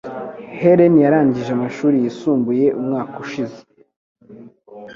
Helen yarangije amashuri yisumbuye umwaka ushize.